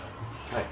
はい。